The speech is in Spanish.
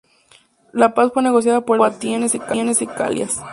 La paz fue negociada por el político ateniense Calias.